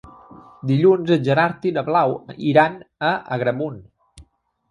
Dilluns en Gerard i na Blau iran a Agramunt.